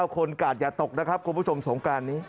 คนกาดอย่าตกนะครับคุณผู้ชมสงกรานนี้